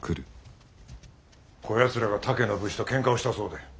こやつらが他家の武士とけんかをしたそうで。